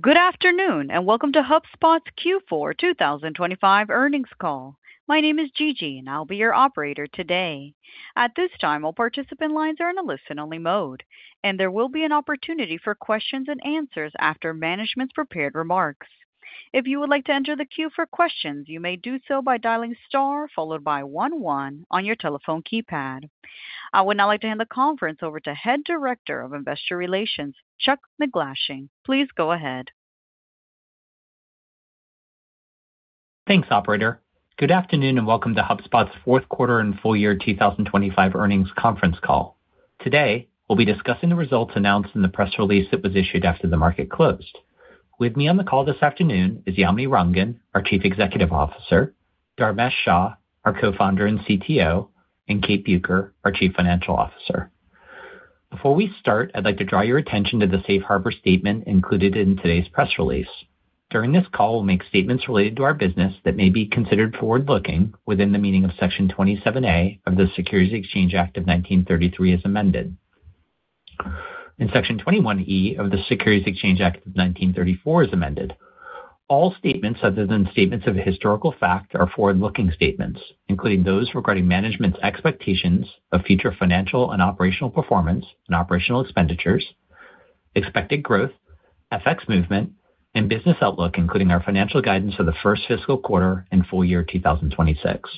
Good afternoon and welcome to HubSpot's Q4 2025 Earnings Call. My name is Gigi, and I'll be your operator today. At this time, all participant lines are in a listen-only mode, and there will be an opportunity for questions and answers after management's prepared remarks. If you would like to enter the queue for questions, you may do so by dialing star followed by one one on your telephone keypad. I would now like to hand the conference over to Head of Investor Relations, Chuck MacGlashing. Please go ahead. Thanks, operator. Good afternoon and welcome to HubSpot's Fourth Quarter and Full Year 2025 Earnings Conference Call. Today, we'll be discussing the results announced in the press release that was issued after the market closed. With me on the call this afternoon is Yamini Rangan, our Chief Executive Officer, Dharmesh Shah, our Co-Founder and CTO, and Kate Bueker, our Chief Financial Officer. Before we start, I'd like to draw your attention to the Safe Harbor Statement included in today's press release. During this call, we'll make statements related to our business that may be considered forward-looking within the meaning of Section 27A of the Securities Exchange Act of 1933 as amended. In Section 21E of the Securities Exchange Act of 1934 as amended, all statements other than statements of historical fact are forward-looking statements, including those regarding management's expectations of future financial and operational performance and operational expenditures, expected growth, FX movement, and business outlook, including our financial guidance for the first fiscal quarter and full year 2026.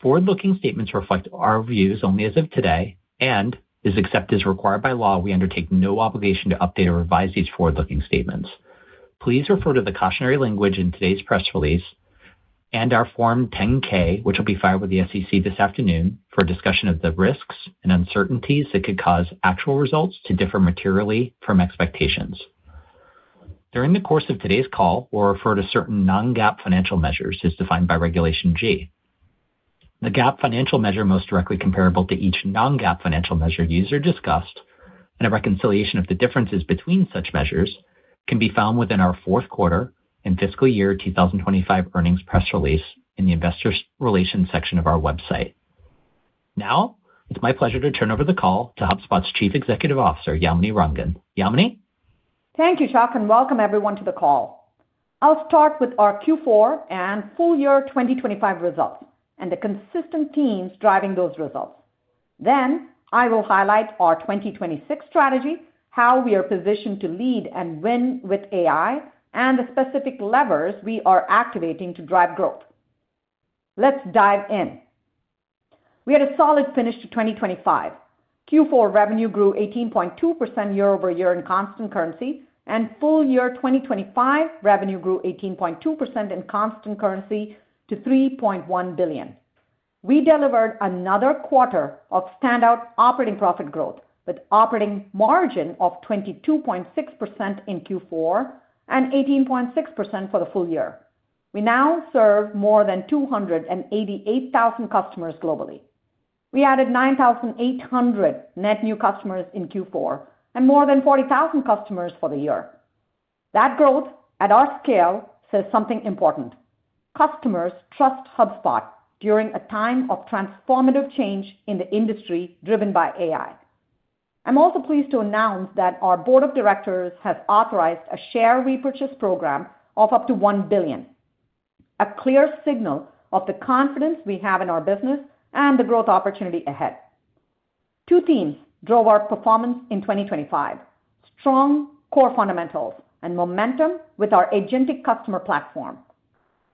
Forward-looking statements reflect our views only as of today, and as accepted as required by law, we undertake no obligation to update or revise these forward-looking statements. Please refer to the cautionary language in today's press release and our Form 10-K, which will be filed with the SEC this afternoon for a discussion of the risks and uncertainties that could cause actual results to differ materially from expectations. During the course of today's call, we'll refer to certain non-GAAP financial measures as defined by Regulation G. The GAAP financial measure most directly comparable to each non-GAAP financial measure used or discussed, and a reconciliation of the differences between such measures, can be found within our fourth quarter and fiscal year 2025 earnings press release in the Investor Relations section of our website. Now, it's my pleasure to turn over the call to HubSpot's Chief Executive Officer, Yamini Rangan. Yamini? Thank you, Chuck, and welcome everyone to the call. I'll start with our Q4 and full-year 2025 results and the consistent teams driving those results. Then I will highlight our 2026 strategy, how we are positioned to lead and win with AI, and the specific levers we are activating to drive growth. Let's dive in. We had a solid finish to 2025. Q4 revenue grew 18.2% year-over-year in constant currency, and full-year 2025 revenue grew 18.2% in constant currency to $3.1 billion. We delivered another quarter of standout operating profit growth with operating margin of 22.6% in Q4 and 18.6% for the full year. We now serve more than 288,000 customers globally. We added 9,800 net new customers in Q4 and more than 40,000 customers for the year. That growth, at our scale, says something important: customers trust HubSpot during a time of transformative change in the industry driven by AI. I'm also pleased to announce that our Board of Directors has authorized a share repurchase program of up to $1 billion, a clear signal of the confidence we have in our business and the growth opportunity ahead. Two themes drove our performance in 2025: strong core fundamentals and momentum with our agentic customer platform.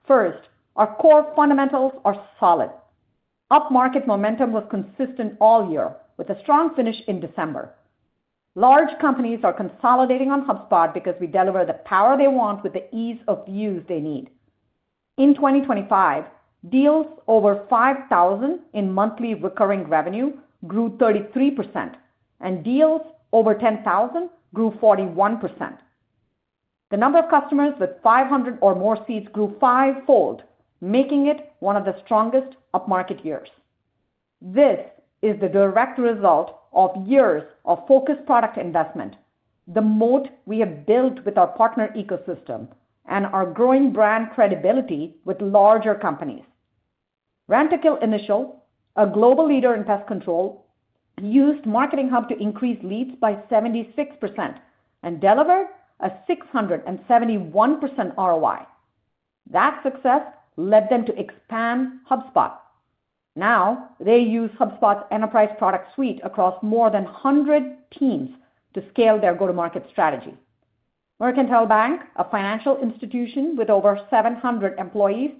First, our core fundamentals are solid. Upmarket momentum was consistent all year, with a strong finish in December. Large companies are consolidating on HubSpot because we deliver the power they want with the ease of use they need. In 2025, deals over $5,000 in monthly recurring revenue grew 33%, and deals over $10,000 grew 41%. The number of customers with 500 or more seats grew five-fold, making it one of the strongest upmarket years. This is the direct result of years of focused product investment, the moat we have built with our partner ecosystem, and our growing brand credibility with larger companies. Rentokil Initial, a global leader in pest control, used Marketing Hub to increase leads by 76% and delivered a 671% ROI. That success led them to expand HubSpot. Now, they use HubSpot's enterprise product suite across more than 100 teams to scale their go-to-market strategy. Mercantile Bank, a financial institution with over 700 employees,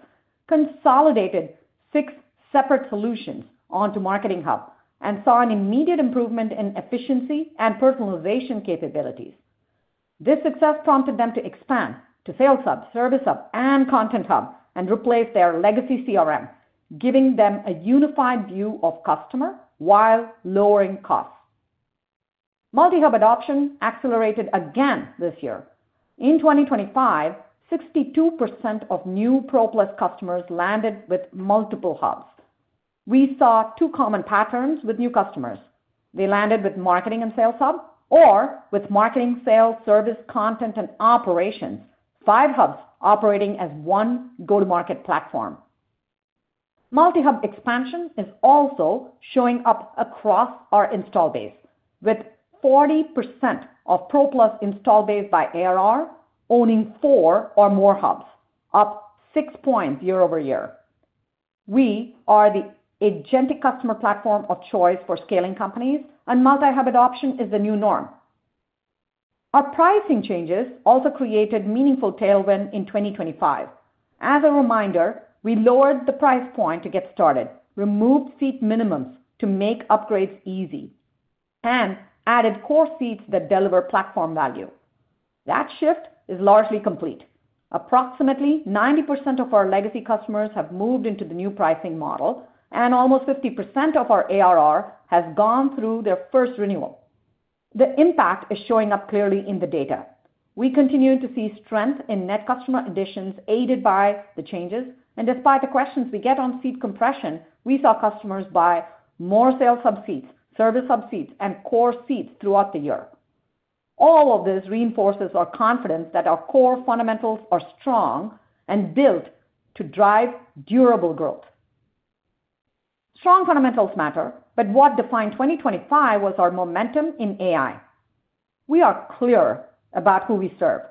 consolidated six separate solutions onto Marketing Hub and saw an immediate improvement in efficiency and personalization capabilities. This success prompted them to expand to Sales Hub, Service Hub, and Content Hub and replace their legacy CRM, giving them a unified view of customer while lowering costs. Multi-hub adoption accelerated again this year. In 2025, 62% of new Pro Plus customers landed with multiple hubs. We saw two common patterns with new customers: they landed with Marketing and Sales Hub, or with Marketing, Sales, Service, Content, and Operations, five hubs operating as one go-to-market platform. Multi-hub expansion is also showing up across our install base, with 40% of Pro Plus install base by ARR owning four or more hubs, up six points year-over-year. We are the agentic customer platform of choice for scaling companies, and multi-hub adoption is the new norm. Our pricing changes also created meaningful tailwind in 2025. As a reminder, we lowered the price point to get started, removed seat minimums to make upgrades easy, and added Core Seats that deliver platform value. That shift is largely complete. Approximately 90% of our legacy customers have moved into the new pricing model, and almost 50% of our ARR has gone through their first renewal. The impact is showing up clearly in the data. We continue to see strength in net customer additions aided by the changes, and despite the questions we get on seat compression, we saw customers buy more Sales Hub seats, Service Hub seats, and Core Seats throughout the year. All of this reinforces our confidence that our core fundamentals are strong and built to drive durable growth. Strong fundamentals matter, but what defined 2025 was our momentum in AI. We are clear about who we serve: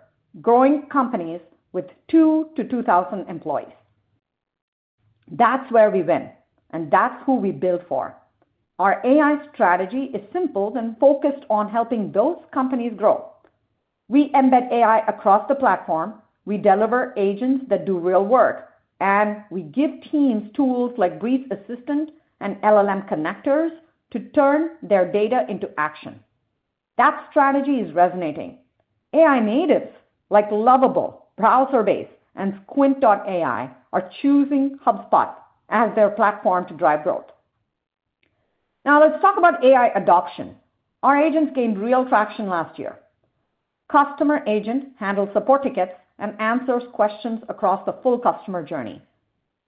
growing companies with two to 2,000 employees. That's where we win, and that's who we build for. Our AI strategy is simple and focused on helping those companies grow. We embed AI across the platform, we deliver agents that do real work, and we give teams tools like Breeze Assistant and LLM Connectors to turn their data into action. That strategy is resonating. AI natives like Lovable, Browserbase, and Squint.ai are choosing HubSpot as their platform to drive growth. Now, let's talk about AI adoption. Our agents gained real traction last year. Customer Agent handles support tickets and answers questions across the full customer journey.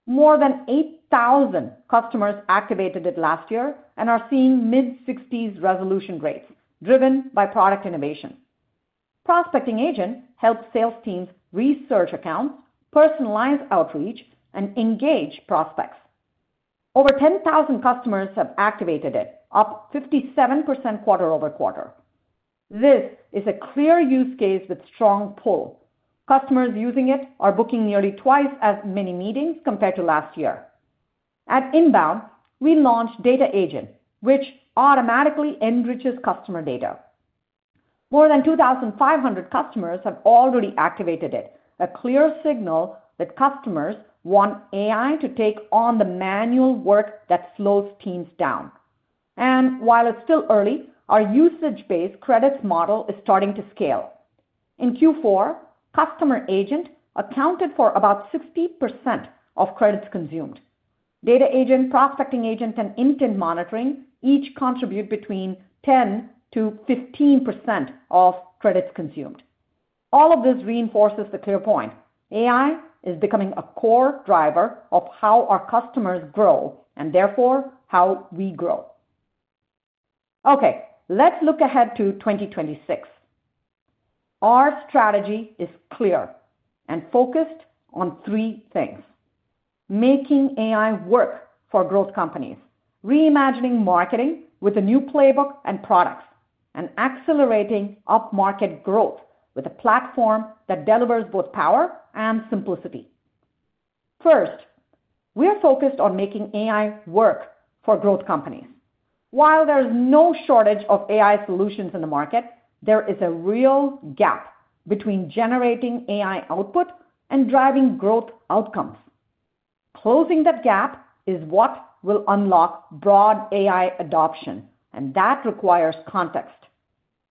More than 8,000 customers activated it last year and are seeing mid-60s% resolution rates, driven by product innovation. Prospecting Agent helps sales teams research accounts, personalize outreach, and engage prospects. Over 10,000 customers have activated it, up 57% quarter-over-quarter. This is a clear use case with strong pull. Customers using it are booking nearly twice as many meetings compared to last year. At Inbound, we launched Data Agent, which automatically enriches customer data. More than 2,500 customers have already activated it, a clear signal that customers want AI to take on the manual work that slows teams down. While it's still early, our usage-based credits model is starting to scale. In Q4, Customer Agent accounted for about 60% of credits consumed. Data Agent, Prospecting Agent, and Intent Monitoring each contribute between 10%-15% of credits consumed. All of this reinforces the clear point: AI is becoming a core driver of how our customers grow and, therefore, how we grow. Okay, let's look ahead to 2026. Our strategy is clear and focused on three things: making AI work for growth companies, reimagining marketing with a new playbook and products, and accelerating upmarket growth with a platform that delivers both power and simplicity. First, we are focused on making AI work for growth companies. While there's no shortage of AI solutions in the market, there is a real gap between generating AI output and driving growth outcomes. Closing that gap is what will unlock broad AI adoption, and that requires context: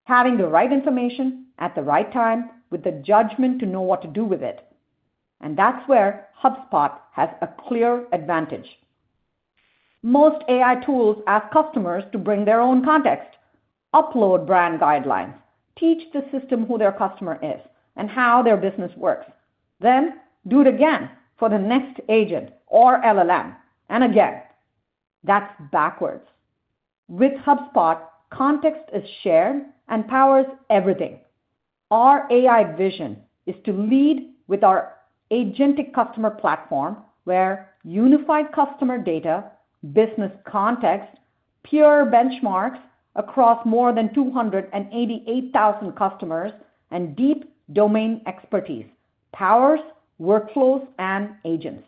having the right information at the right time with the judgment to know what to do with it. That's where HubSpot has a clear advantage. Most AI tools ask customers to bring their own context: upload brand guidelines, teach the system who their customer is and how their business works, then do it again for the next agent or LLM, and again. That's backwards. With HubSpot, context is shared and powers everything. Our AI vision is to lead with our agentic customer platform where unified customer data, business context, pure benchmarks across more than 288,000 customers, and deep domain expertise powers workflows and agents.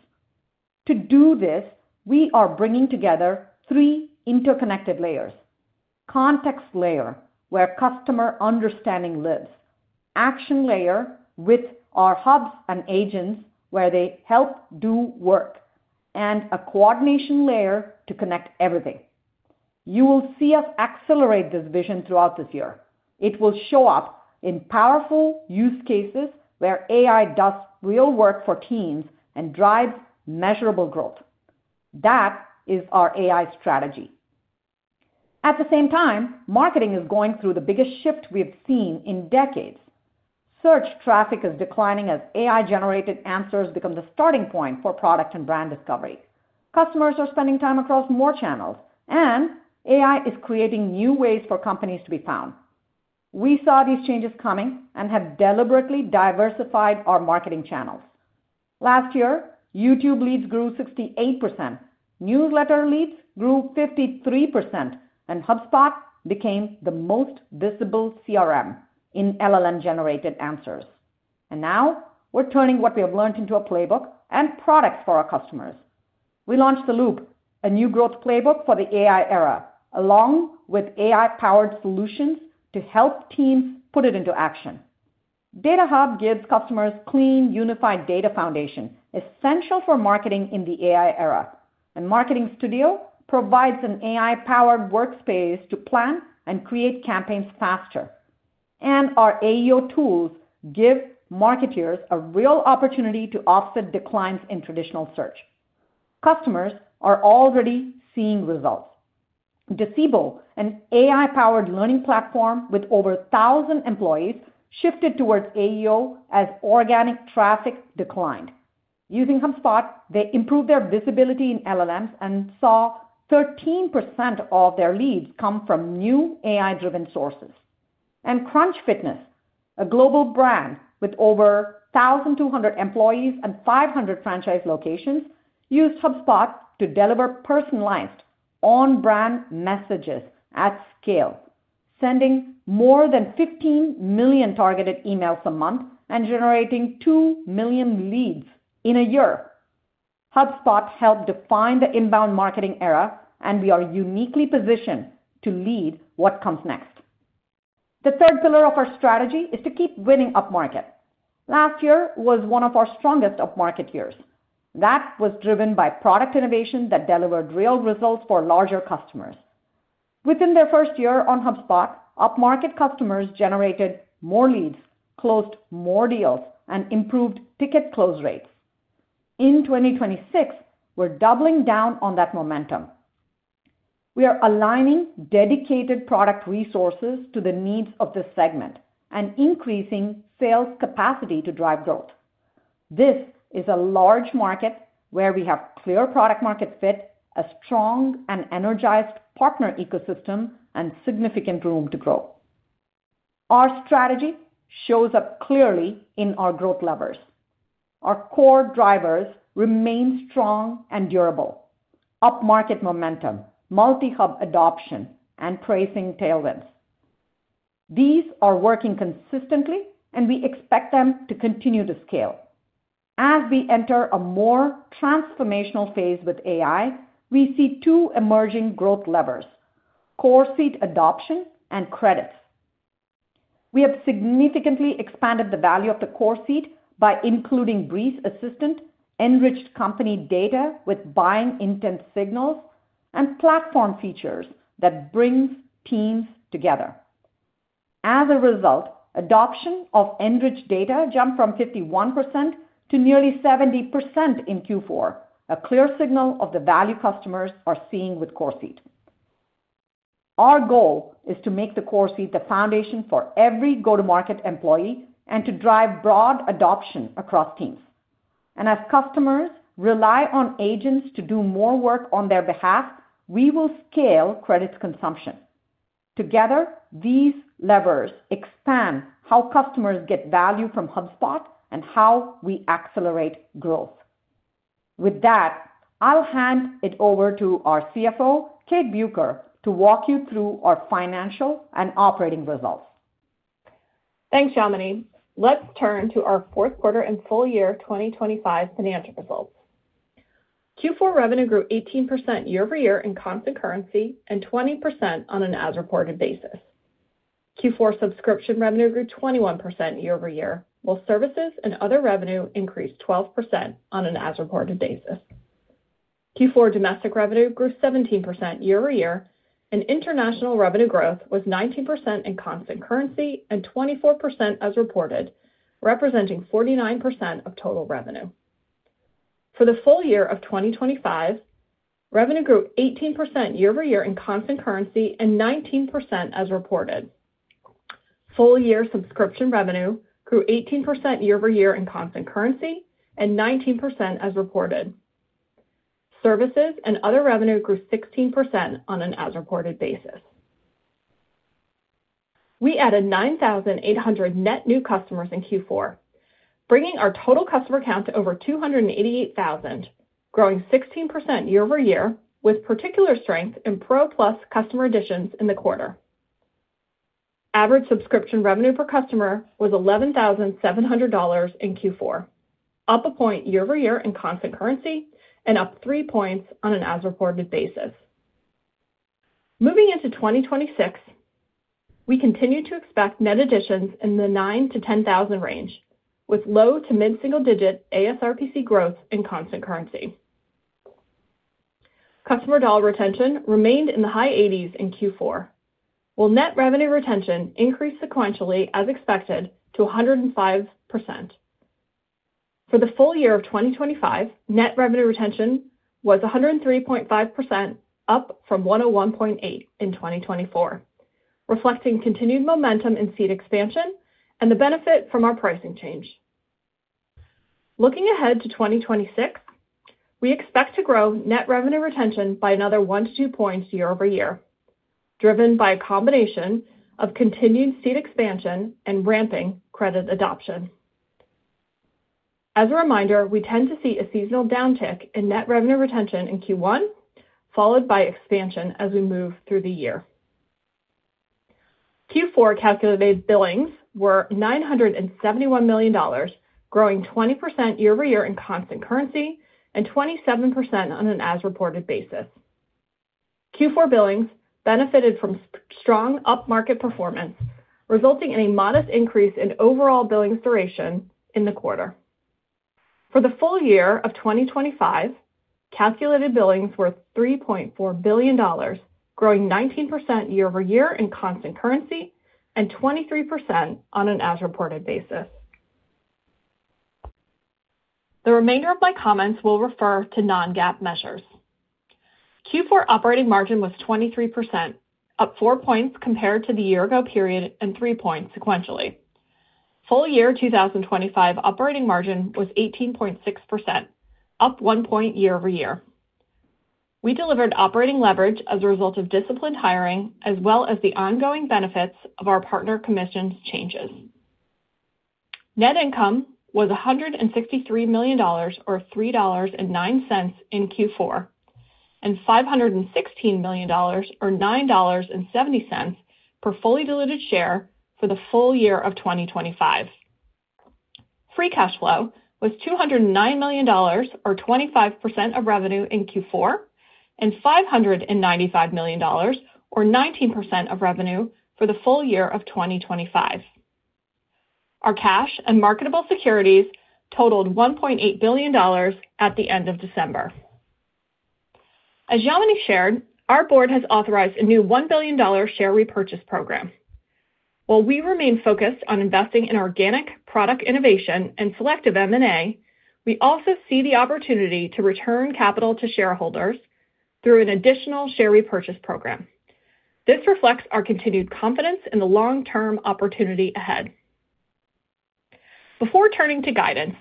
To do this, we are bringing together three interconnected layers: context layer, where customer understanding lives, action layer, with our hubs and agents where they help do work, and a coordination layer to connect everything. You will see us accelerate this vision throughout this year. It will show up in powerful use cases where AI does real work for teams and drives measurable growth. That is our AI strategy. At the same time, marketing is going through the biggest shift we have seen in decades. Search traffic is declining as AI-generated answers become the starting point for product and brand discovery. Customers are spending time across more channels, and AI is creating new ways for companies to be found. We saw these changes coming and have deliberately diversified our marketing channels. Last year, YouTube leads grew 68%, Newsletter leads grew 53%, and HubSpot became the most visible CRM in LLM-generated answers. Now, we're turning what we have learned into a playbook and products for our customers. We launched The Loop, a new growth playbook for the AI era, along with AI-powered solutions to help teams put it into action. Data Hub gives customers a clean, unified data foundation essential for marketing in the AI era. Marketing Studio provides an AI-powered workspace to plan and create campaigns faster. Our AEO tools give marketers a real opportunity to offset declines in traditional search. Customers are already seeing results. Docebo, an AI-powered learning platform with over 1,000 employees, shifted towards AEO as organic traffic declined. Using HubSpot, they improved their visibility in LLMs and saw 13% of their leads come from new AI-driven sources. And Crunch Fitness, a global brand with over 1,200 employees and 500 franchise locations, used HubSpot to deliver personalized, on-brand messages at scale, sending more than 15 million targeted emails a month and generating two million leads in a year. HubSpot helped define the Inbound Marketing era, and we are uniquely positioned to lead what comes next. The third pillar of our strategy is to keep winning upmarket. Last year was one of our strongest upmarket years. That was driven by product innovation that delivered real results for larger customers. Within their first year on HubSpot, upmarket customers generated more leads, closed more deals, and improved ticket close rates. In 2026, we're doubling down on that momentum. We are aligning dedicated product resources to the needs of this segment and increasing sales capacity to drive growth. This is a large market where we have clear product-market fit, a strong and energized partner ecosystem, and significant room to grow. Our strategy shows up clearly in our growth levers. Our core drivers remain strong and durable: upmarket momentum, multi-hub adoption, and pricing tailwinds. These are working consistently, and we expect them to continue to scale. As we enter a more transformational phase with AI, we see two emerging growth levers: Core Seat adoption and credits. We have significantly expanded the value of the Core Seat by including Breeze Assistant, enriched company data with buying intent signals, and platform features that bring teams together. As a result, adoption of enriched data jumped from 51% to nearly 70% in Q4, a clear signal of the value customers are seeing with Core Seat. Our goal is to make the Core Seat the foundation for every go-to-market employee and to drive broad adoption across teams. As customers rely on agents to do more work on their behalf, we will scale credits consumption. Together, these levers expand how customers get value from HubSpot and how we accelerate growth. With that, I'll hand it over to our CFO, Kate Bueker, to walk you through our financial and operating results. Thanks, Yamini. Let's turn to our fourth quarter and full year 2025 financial results. Q4 revenue grew 18% year over year in constant currency and 20% on an as-reported basis. Q4 subscription revenue grew 21% year over year, while services and other revenue increased 12% on an as-reported basis. Q4 domestic revenue grew 17% year over year, and international revenue growth was 19% in constant currency and 24% as reported, representing 49% of total revenue. For the full year of 2025, revenue grew 18% year over year in constant currency and 19% as reported. Full year subscription revenue grew 18% year over year in constant currency and 19% as reported. Services and other revenue grew 16% on an as-reported basis. We added 9,800 net new customers in Q4, bringing our total customer count to over 288,000, growing 16% year-over-year with particular strength in Pro Plus customer additions in the quarter. Average subscription revenue per customer was $11,700 in Q4, up a point year-over-year in constant currency and up three points on an as-reported basis. Moving into 2026, we continue to expect net additions in the 9,000-10,000 range, with low to mid-single-digit ASRPC growth in constant currency. Customer dollar retention remained in the high 80s in Q4, while net revenue retention increased sequentially, as expected, to 105%. For the full year of 2025, net revenue retention was 103.5%, up from 101.8% in 2024, reflecting continued momentum in seat expansion and the benefit from our pricing change. Looking ahead to 2026, we expect to grow net revenue retention by another one-two points year-over-year, driven by a combination of continued seat expansion and ramping credit adoption. As a reminder, we tend to see a seasonal downtick in net revenue retention in Q1, followed by expansion as we move through the year. Q4 calculated billings were $971 million, growing 20% year-over-year in constant currency and 27% on an as-reported basis. Q4 billings benefited from strong upmarket performance, resulting in a modest increase in overall billings duration in the quarter. For the full year of 2025, calculated billings were $3.4 billion, growing 19% year-over-year in constant currency and 23% on an as-reported basis. The remainder of my comments will refer to non-GAAP measures. Q4 operating margin was 23%, up four points compared to the year-ago period and three points sequentially. Full year 2025 operating margin was 18.6%, up one point year-over-year. We delivered operating leverage as a result of disciplined hiring as well as the ongoing benefits of our partner commissions changes. Net income was $163 million, or $3.09, in Q4 and $516 million, or $9.70, per fully diluted share for the full year of 2025. Free cash flow was $209 million, or 25% of revenue in Q4, and $595 million, or 19% of revenue for the full year of 2025. Our cash and marketable securities totaled $1.8 billion at the end of December. As Yamini shared, our board has authorized a new $1 billion share repurchase program. While we remain focused on investing in organic product innovation and selective M&A, we also see the opportunity to return capital to shareholders through an additional share repurchase program. This reflects our continued confidence in the long-term opportunity ahead. Before turning to guidance,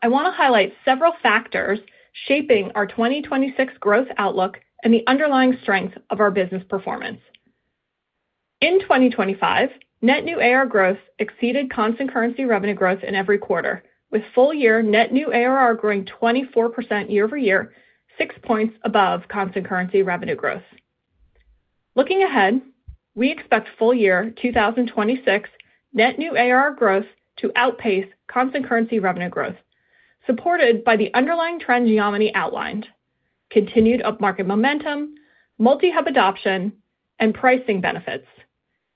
I want to highlight several factors shaping our 2026 growth outlook and the underlying strengths of our business performance. In 2025, net new ARR growth exceeded constant currency revenue growth in every quarter, with full year net new ARR growing 24% year over year, six points above constant currency revenue growth. Looking ahead, we expect full year 2026 net new ARR growth to outpace constant currency revenue growth, supported by the underlying trend Yamini outlined: continued upmarket momentum, multi-hub adoption, and pricing benefits,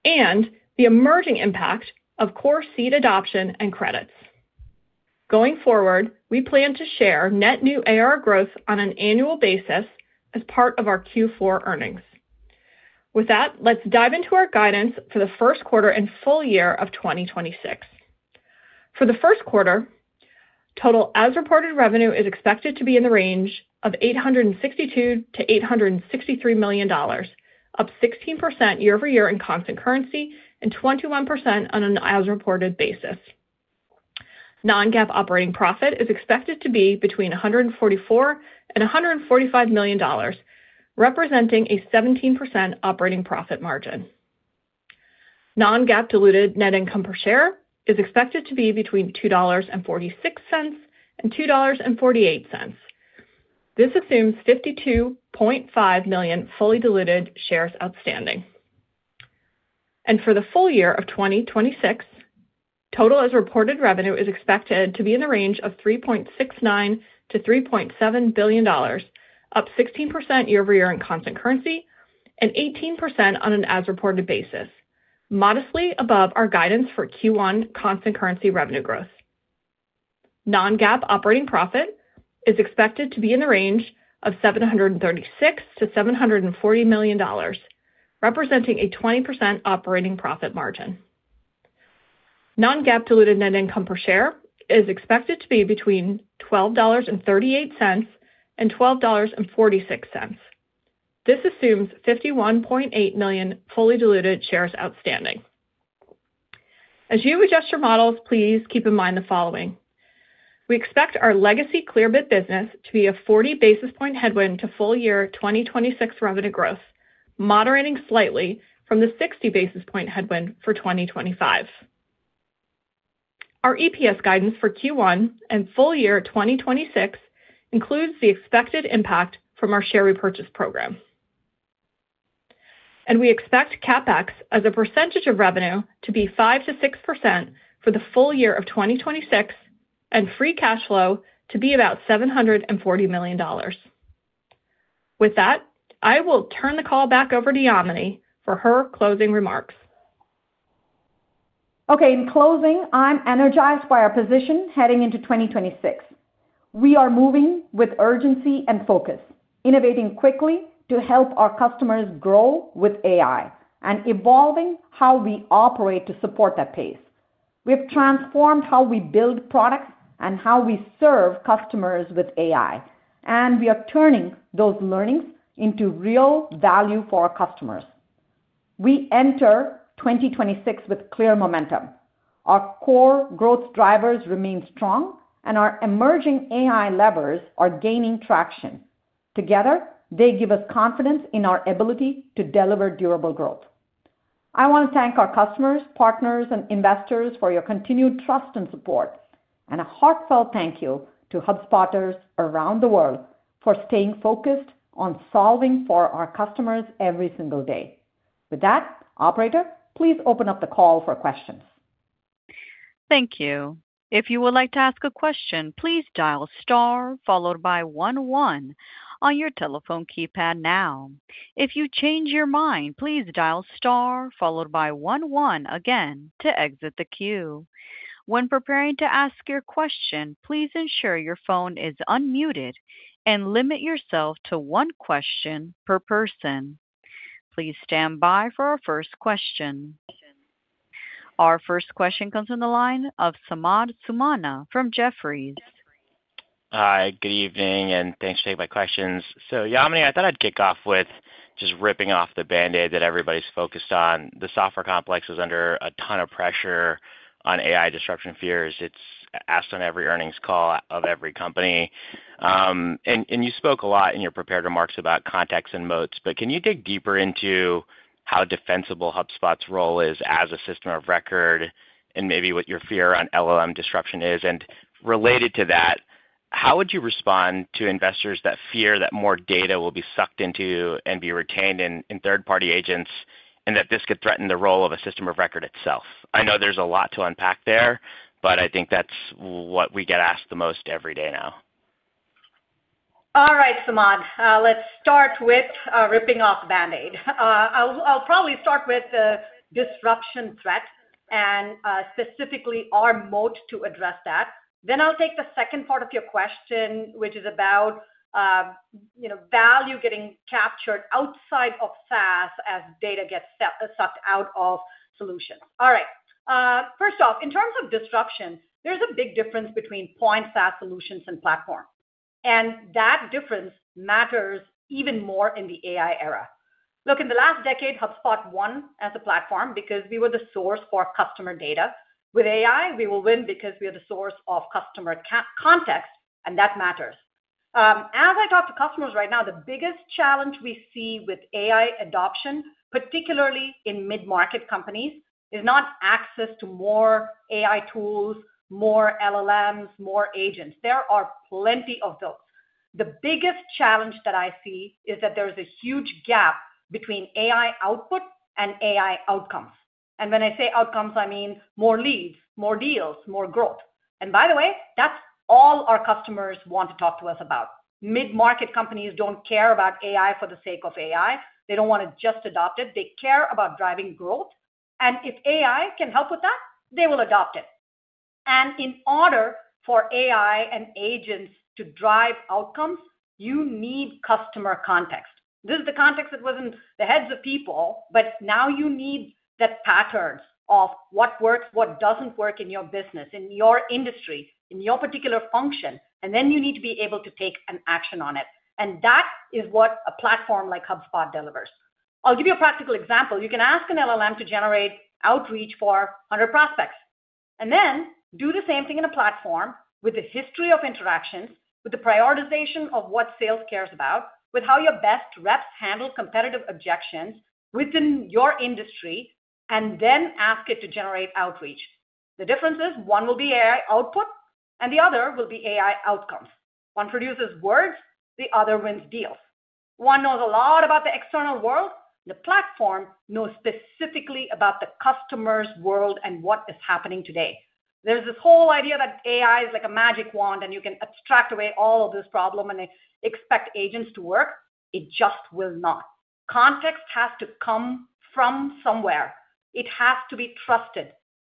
and the emerging impact of core seat adoption and credits. Going forward, we plan to share net new ARR growth on an annual basis as part of our Q4 earnings. With that, let's dive into our guidance for the first quarter and full year of 2026. For the first quarter, total as-reported revenue is expected to be in the range of $862-$863 million, up 16% year-over-year in constant currency and 21% on an as-reported basis. Non-GAAP operating profit is expected to be between $144 and $145 million, representing a 17% operating profit margin. Non-GAAP diluted net income per share is expected to be between $2.46 and $2.48. This assumes 52.5 million fully diluted shares outstanding. And for the full year of 2026, total as-reported revenue is expected to be in the range of $3.69-$3.7 billion, up 16% year-over-year in constant currency and 18% on an as-reported basis, modestly above our guidance for Q1 constant currency revenue growth. Non-GAAP operating profit is expected to be in the range of $736-$740 million, representing a 20% operating profit margin. Non-GAAP diluted net income per share is expected to be between $12.38-$12.46. This assumes 51.8 million fully diluted shares outstanding. As you adjust your models, please keep in mind the following: we expect our legacy Clearbit business to be a 40 basis point headwind to full year 2026 revenue growth, moderating slightly from the 60 basis point headwind for 2025. Our EPS guidance for Q1 and full year 2026 includes the expected impact from our share repurchase program. We expect CapEx as a percentage of revenue to be 5%-6% for the full year of 2026, and free cash flow to be about $740 million. With that, I will turn the call back over to Yamini for her closing remarks. Okay, in closing, I'm energized by our position heading into 2026. We are moving with urgency and focus, innovating quickly to help our customers grow with AI and evolving how we operate to support that pace. We have transformed how we build products and how we serve customers with AI, and we are turning those learnings into real value for our customers. We enter 2026 with clear momentum. Our core growth drivers remain strong, and our emerging AI levers are gaining traction. Together, they give us confidence in our ability to deliver durable growth. I want to thank our customers, partners, and investors for your continued trust and support, and a heartfelt thank you to HubSpotters around the world for staying focused on solving for our customers every single day. With that, operator, please open up the call for questions. Thank you. If you would like to ask a question, please dial star followed by one one on your telephone keypad now. If you change your mind, please dial star followed by one one again to exit the queue. When preparing to ask your question, please ensure your phone is unmuted and limit yourself to one question per person. Please stand by for our first question. Our first question comes from the line of Samad Samana from Jefferies. Hi, good evening, and thanks for taking my questions. So Yamini, I thought I'd kick off with just ripping off the Band-Aid that everybody's focused on. The software complex is under a ton of pressure on AI disruption fears. It's asked on every earnings call of every company. And you spoke a lot in your prepared remarks about context and moats, but can you dig deeper into how defensible HubSpot's role is as a system of record and maybe what your fear on LLM disruption is? And related to that, how would you respond to investors that fear that more data will be sucked into and be retained in third-party agents and that this could threaten the role of a system of record itself? I know there's a lot to unpack there, but I think that's what we get asked the most every day now. All right, Samad. Let's start with ripping off the Band-Aid. I'll probably start with the disruption threat and specifically our moat to address that. Then I'll take the second part of your question, which is about value getting captured outside of SaaS as data gets sucked out of solutions. All right. First off, in terms of disruption, there's a big difference between point SaaS solutions and platform, and that difference matters even more in the AI era. Look, in the last decade, HubSpot won as a platform because we were the source for customer data. With AI, we will win because we are the source of customer context, and that matters. As I talk to customers right now, the biggest challenge we see with AI adoption, particularly in mid-market companies, is not access to more AI tools, more LLMs, more agents. There are plenty of those. The biggest challenge that I see is that there is a huge gap between AI output and AI outcomes. When I say outcomes, I mean more leads, more deals, more growth. By the way, that's all our customers want to talk to us about. Mid-market companies don't care about AI for the sake of AI. They don't want to just adopt it. They care about driving growth. If AI can help with that, they will adopt it. In order for AI and agents to drive outcomes, you need customer context. This is the context that was in the heads of people, but now you need that patterns of what works, what doesn't work in your business, in your industry, in your particular function, and then you need to be able to take an action on it. That is what a platform like HubSpot delivers. I'll give you a practical example. You can ask an LLM to generate outreach for 100 prospects and then do the same thing in a platform with a history of interactions, with the prioritization of what sales cares about, with how your best reps handle competitive objections within your industry, and then ask it to generate outreach. The difference is one will be AI output and the other will be AI outcomes. One produces words, the other wins deals. One knows a lot about the external world. The platform knows specifically about the customer's world and what is happening today. There's this whole idea that AI is like a magic wand and you can abstract away all of this problem and expect agents to work. It just will not. Context has to come from somewhere. It has to be trusted.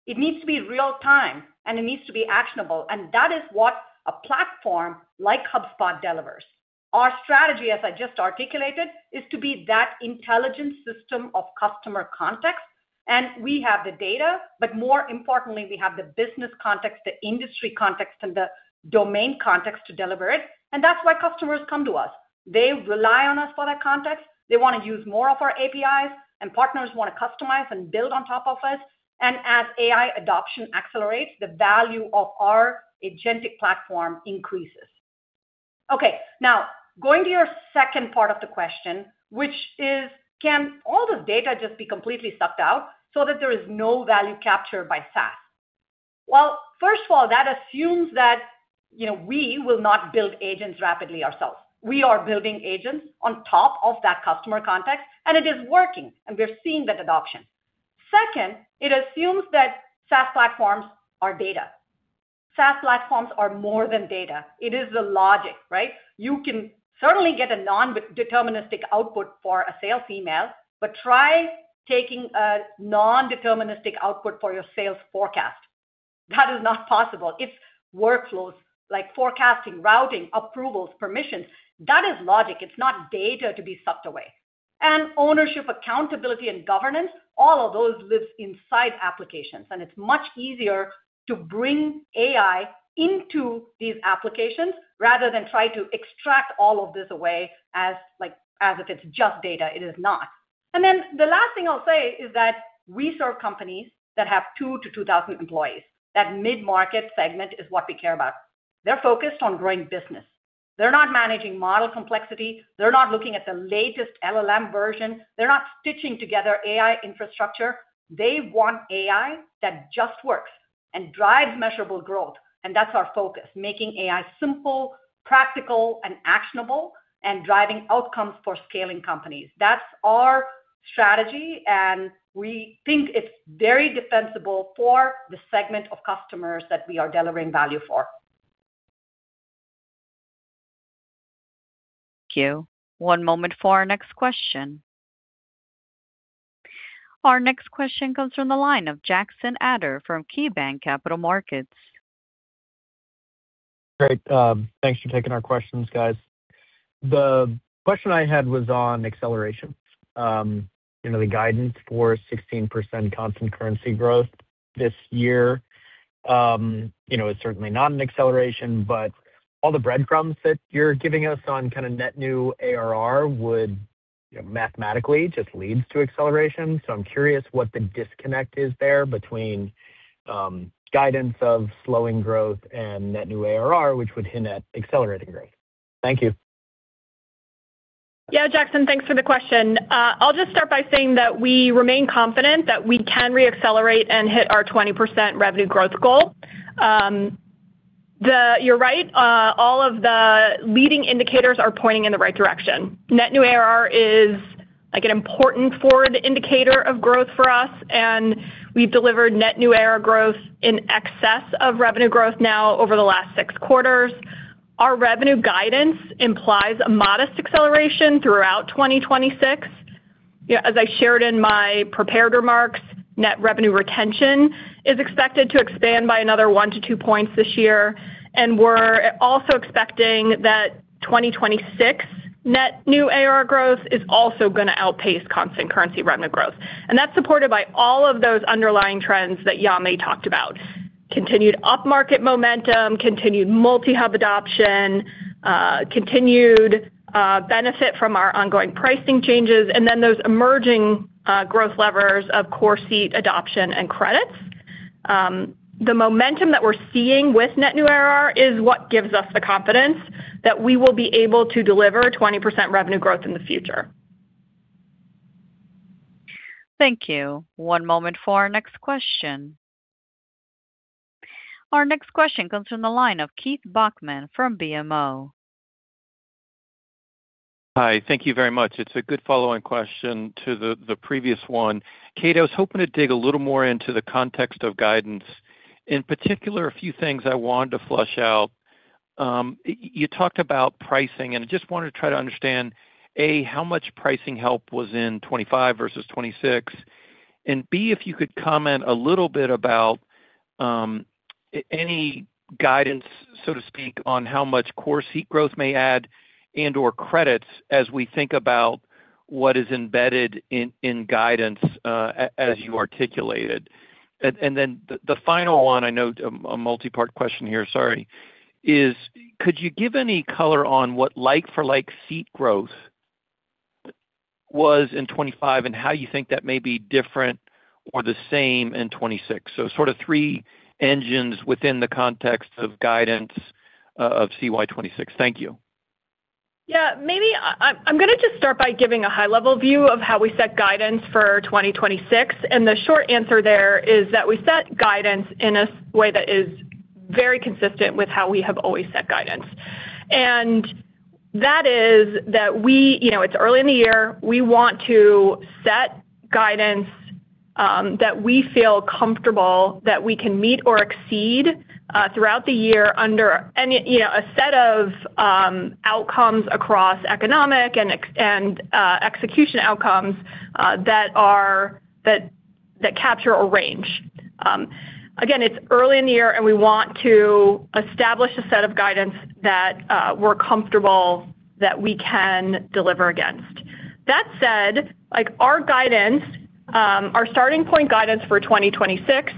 It needs to be real-time, and it needs to be actionable. And that is what a platform like HubSpot delivers. Our strategy, as I just articulated, is to be that intelligent system of customer context. And we have the data, but more importantly, we have the business context, the industry context, and the domain context to deliver it. And that's why customers come to us. They rely on us for that context. They want to use more of our APIs, and partners want to customize and build on top of us. And as AI adoption accelerates, the value of our agentic platform increases. Okay, now going to your second part of the question, which is, can all this data just be completely sucked out so that there is no value captured by SaaS? Well, first of all, that assumes that we will not build agents rapidly ourselves. We are building agents on top of that customer context, and it is working, and we're seeing that adoption. Second, it assumes that SaaS platforms are data. SaaS platforms are more than data. It is the logic, right? You can certainly get a non-deterministic output for a sales email, but try taking a non-deterministic output for your sales forecast. That is not possible. It's workflows like forecasting, routing, approvals, permissions. That is logic. It's not data to be sucked away. And ownership, accountability, and governance, all of those live inside applications. And it's much easier to bring AI into these applications rather than try to extract all of this away as if it's just data. It is not. And then the last thing I'll say is that we serve companies that have 2,000 to 2,000 employees. That mid-market segment is what we care about. They're focused on growing business. They're not managing model complexity. They're not looking at the latest LLM version. They're not stitching together AI infrastructure. They want AI that just works and drives measurable growth. And that's our focus: making AI simple, practical, and actionable, and driving outcomes for scaling companies. That's our strategy, and we think it's very defensible for the segment of customers that we are delivering value for. Thank you. One moment for our next question. Our next question comes from the line of Jackson Ader from KeyBanc Capital Markets. Great. Thanks for taking our questions, guys. The question I had was on acceleration, the guidance for 16% constant currency growth this year. It's certainly not an acceleration, but all the breadcrumbs that you're giving us on kind of net new ARR would mathematically just lead to acceleration. So I'm curious what the disconnect is there between guidance of slowing growth and net new ARR, which would hint at accelerating growth. Thank you. Yeah, Jackson, thanks for the question. I'll just start by saying that we remain confident that we can re-accelerate and hit our 20% revenue growth goal. You're right. All of the leading indicators are pointing in the right direction. Net new ARR is an important forward indicator of growth for us, and we've delivered net new ARR growth in excess of revenue growth now over the last six quarters. Our revenue guidance implies a modest acceleration throughout 2026. As I shared in my prepared remarks, net revenue retention is expected to expand by another one- points this year. We're also expecting that 2026 net new ARR growth is also going to outpace constant currency revenue growth. That's supported by all of those underlying trends that Yamini talked about: continued upmarket momentum, continued multi-hub adoption, continued benefit from our ongoing pricing changes, and then those emerging growth levers of Core seat adoption and credits. The momentum that we're seeing with net new ARR is what gives us the confidence that we will be able to deliver 20% revenue growth in the future. Thank you. One moment for our next question. Our next question comes from the line of Keith Bachman from BMO. Hi, thank you very much. It's a good following question to the previous one. Kate, I was hoping to dig a little more into the context of guidance. In particular, a few things I wanted to flush out. You talked about pricing, and I just wanted to try to understand, A, how much pricing help was in 2025 versus 2026, and B, if you could comment a little bit about any guidance, so to speak, on how much core seat growth may add and/or credits as we think about what is embedded in guidance, as you articulated. And then the final one, I know a multi-part question here, sorry, is could you give any color on what like-for-like seat growth was in 2025 and how you think that may be different or the same in 2026? So sort of three engines within the context of guidance of CY 2026. Thank you. Yeah. I'm going to just start by giving a high-level view of how we set guidance for 2026. The short answer there is that we set guidance in a way that is very consistent with how we have always set guidance. That is that it's early in the year. We want to set guidance that we feel comfortable that we can meet or exceed throughout the year under a set of outcomes across economic and execution outcomes that capture or range. Again, it's early in the year, and we want to establish a set of guidance that we're comfortable that we can deliver against. That said, our guidance, our starting point guidance for 2026,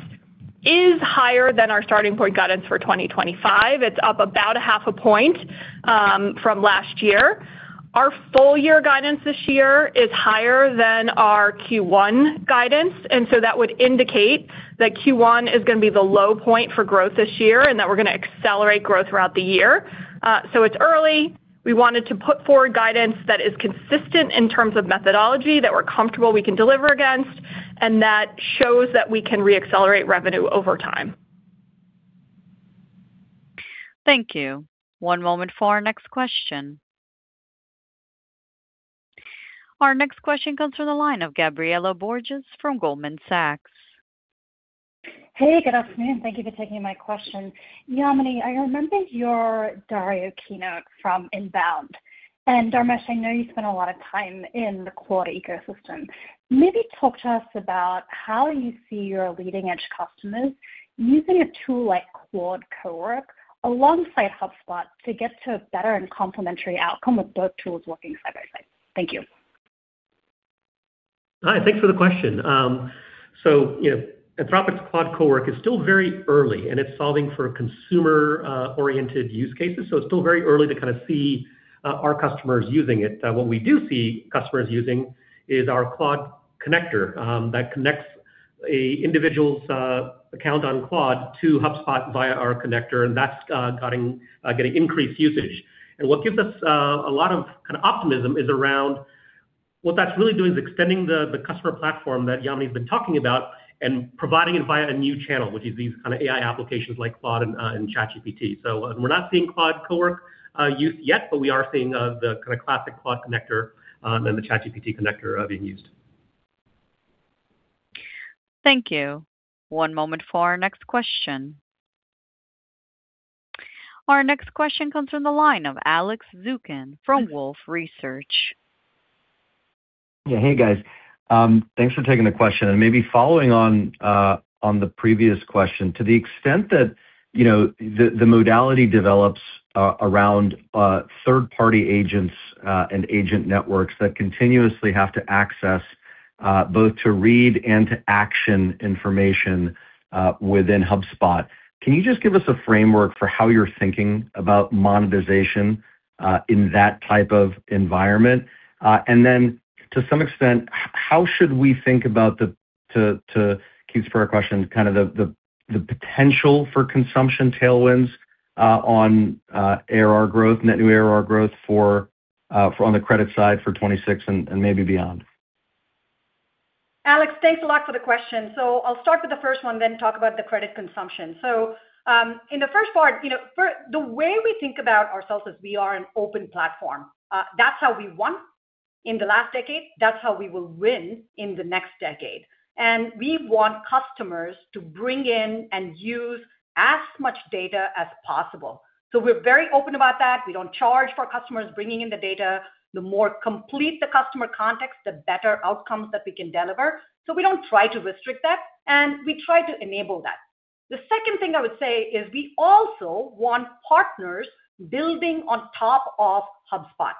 is higher than our starting point guidance for 2025. It's up about 0.5 point from last year. Our full-year guidance this year is higher than our Q1 guidance. And so that would indicate that Q1 is going to be the low point for growth this year and that we're going to accelerate growth throughout the year. So it's early. We wanted to put forward guidance that is consistent in terms of methodology, that we're comfortable we can deliver against, and that shows that we can re-accelerate revenue over time. Thank you. One moment for our next question. Our next question comes from the line of Gabriela Borges from Goldman Sachs. Hey, good afternoon. Thank you for taking my question. Yamini, I remembered your Dario keynote from INBOUND. And Dharmesh, I know you spent a lot of time in the Claude ecosystem. Maybe talk to us about how you see your leading-edge customers using a tool like Claude Code alongside HubSpot to get to a better and complementary outcome with both tools working side by side. Thank you. Hi. Thanks for the question. So Anthropic's Claude Cowork is still very early, and it's solving for consumer-oriented use cases. So it's still very early to kind of see our customers using it. What we do see customers using is our Claude Connector that connects an individual's account on Claude to HubSpot via our connector, and that's getting increased usage. And what gives us a lot of kind of optimism is around what that's really doing is extending the customer platform that Yamini has been talking about and providing it via a new channel, which is these kind of AI applications like Claude and ChatGPT. So we're not seeing Claude Cowork used yet, but we are seeing the kind of classic Claude Connector and the ChatGPT connector being used. Thank you. One moment for our next question. Our next question comes from the line of Alex Zukin from Wolfe Research. Yeah. Hey, guys. Thanks for taking the question. And maybe following on the previous question, to the extent that the modality develops around third-party agents and agent networks that continuously have to access both to read and to action information within HubSpot, can you just give us a framework for how you're thinking about monetization in that type of environment? And then to some extent, how should we think about, to Keith's prior question, kind of the potential for consumption tailwinds on ARR growth, net new ARR growth on the credit side for 2026 and maybe beyond? Alex, thanks a lot for the question. So I'll start with the first one, then talk about the credit consumption. So in the first part, the way we think about ourselves is we are an open platform. That's how we won in the last decade. That's how we will win in the next decade. And we want customers to bring in and use as much data as possible. So we're very open about that. We don't charge for customers bringing in the data. The more complete the customer context, the better outcomes that we can deliver. So we don't try to restrict that, and we try to enable that. The second thing I would say is we also want partners building on top of HubSpot.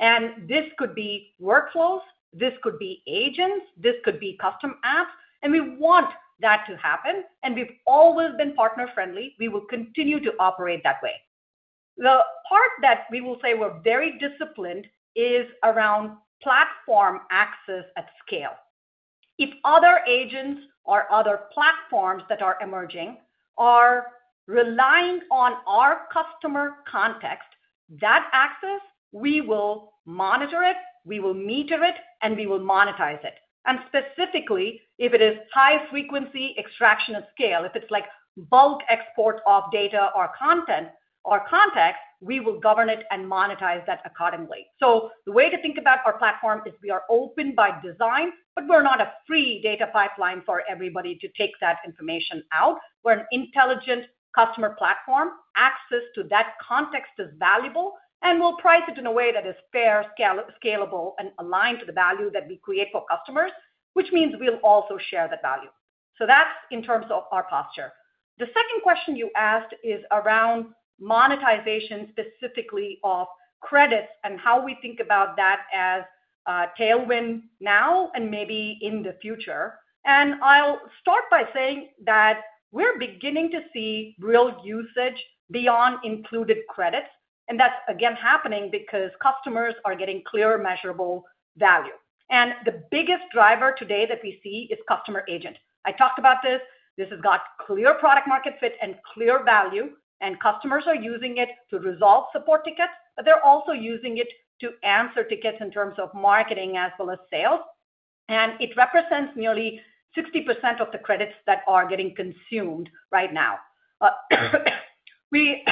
And this could be workflows. This could be agents. This could be custom apps. And we want that to happen. And we've always been partner-friendly. We will continue to operate that way. The part that we will say we're very disciplined is around platform access at scale. If other agents or other platforms that are emerging are relying on our customer context, that access, we will monitor it. We will meter it, and we will monetize it. And specifically, if it is high-frequency extraction at scale, if it's bulk export of data or content, we will govern it and monetize that accordingly. So the way to think about our platform is we are open by design, but we're not a free data pipeline for everybody to take that information out. We're an intelligent customer platform. Access to that context is valuable and will price it in a way that is fair, scalable, and aligned to the value that we create for customers, which means we'll also share that value. So that's in terms of our posture. The second question you asked is around monetization specifically of credits and how we think about that as a tailwind now and maybe in the future. And I'll start by saying that we're beginning to see real usage beyond included credits. And that's, again, happening because customers are getting clear measurable value. And the biggest driver today that we see is Customer Agent. I talked about this. This has got clear product-market fit and clear value. And customers are using it to resolve support tickets, but they're also using it to answer tickets in terms of marketing as well as sales. And it represents nearly 60% of the credits that are getting consumed right now. We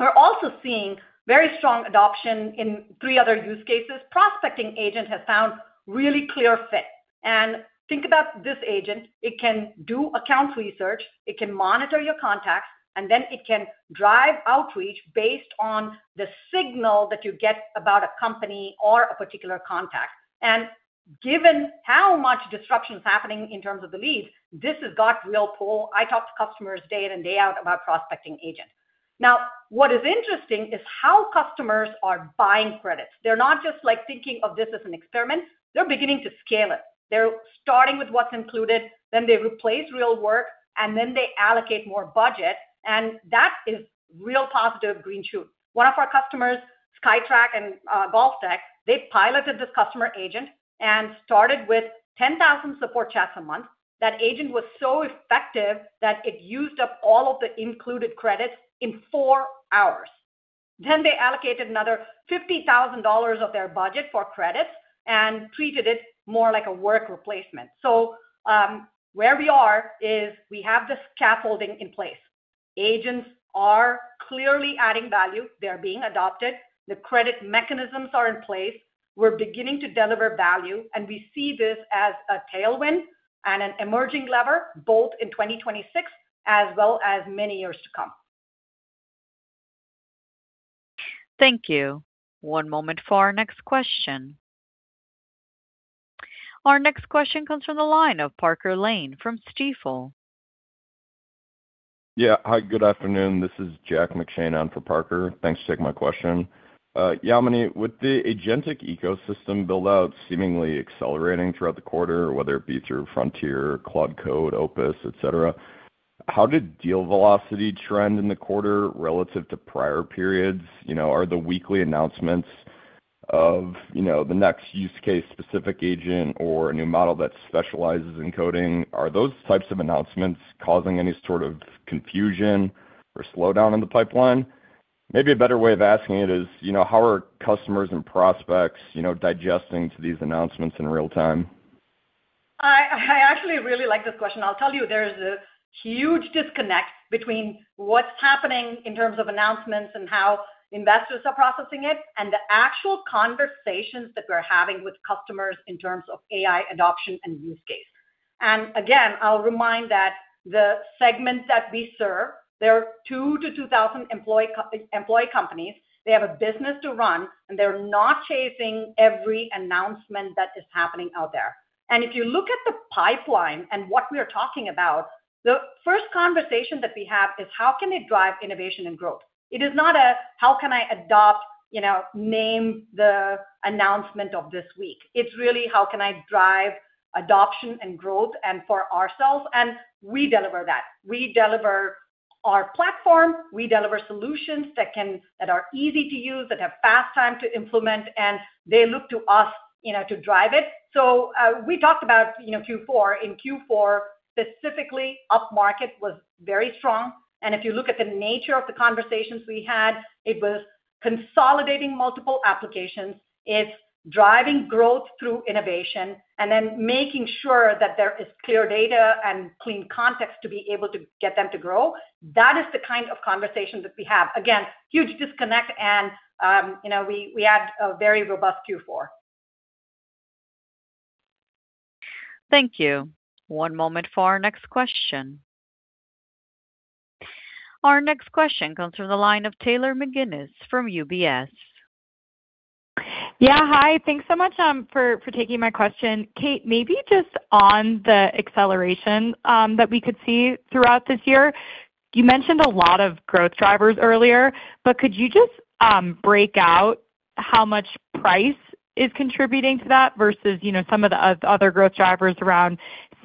are also seeing very strong adoption in three other use cases. Prospecting Agent has found really clear fit. And think about this agent. It can do accounts research. It can monitor your contacts. And then it can drive outreach based on the signal that you get about a company or a particular contact. And given how much disruption is happening in terms of the leads, this has got real pull. I talk to customers day in and day out about Prospecting Agent. Now, what is interesting is how customers are buying credits. They're not just thinking of this as an experiment. They're beginning to scale it. They're starting with what's included. Then they replace real work, and then they allocate more budget. And that is real positive green shoot. One of our customers, SKYTRAK and GOLFTEC, they piloted this Customer Agent and started with 10,000 support chats a month. That agent was so effective that it used up all of the included credits in four hours. Then they allocated another $50,000 of their budget for credits and treated it more like a work replacement. So where we are is we have the scaffolding in place. Agents are clearly adding value. They're being adopted. The credit mechanisms are in place. We're beginning to deliver value. And we see this as a tailwind and an emerging lever both in 2026 as well as many years to come. Thank you. One moment for our next question. Our next question comes from the line of Parker Lane from Stifel. Yeah. Hi. Good afternoon. This is Jack McShane on for Parker. Thanks for taking my question. Yamini, with the agentic ecosystem buildout seemingly accelerating throughout the quarter, whether it be through Frontier, Claude Code, Opus, etc., how did deal velocity trend in the quarter relative to prior periods? Are the weekly announcements of the next use-case-specific agent or a new model that specializes in coding, are those types of announcements causing any sort of confusion or slowdown in the pipeline? Maybe a better way of asking it is how are customers and prospects digesting these announcements in real time? I actually really like this question. I'll tell you, there is a huge disconnect between what's happening in terms of announcements and how investors are processing it and the actual conversations that we're having with customers in terms of AI adoption and use case. Again, I'll remind that the segment that we serve, there are 2,000-2,000 employee companies. They have a business to run, and they're not chasing every announcement that is happening out there. If you look at the pipeline and what we are talking about, the first conversation that we have is how can it drive innovation and growth? It is not a, "How can I name the announcement of this week?" It's really, "How can I drive adoption and growth for ourselves?" We deliver that. We deliver our platform. We deliver solutions that are easy to use, that have fast time to implement, and they look to us to drive it. So we talked about Q4. In Q4, specifically, upmarket was very strong. And if you look at the nature of the conversations we had, it was consolidating multiple applications. It's driving growth through innovation and then making sure that there is clear data and clean context to be able to get them to grow. That is the kind of conversation that we have. Again, huge disconnect, and we had a very robust Q4. Thank you. One moment for our next question. Our next question comes from the line of Taylor McGinnis from UBS. Yeah. Hi. Thanks so much for taking my question. Kate, maybe just on the acceleration that we could see throughout this year, you mentioned a lot of growth drivers earlier, but could you just break out how much price is contributing to that versus some of the other growth drivers around